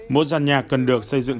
một giàn nhạc cần được xây dựng